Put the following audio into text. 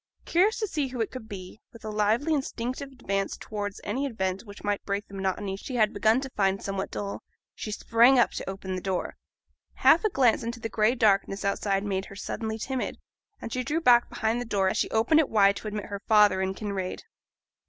Curious to see who it could be, with a lively instinctive advance towards any event which might break the monotony she had begun to find somewhat dull, she sprang up to open the door. Half a glance into the gray darkness outside made her suddenly timid, and she drew back behind the door as she opened it wide to admit her father and Kinraid.